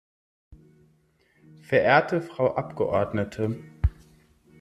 Verehrte Frau Abgeordnete!